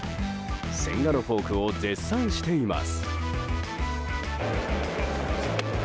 千賀のフォークを絶賛しています。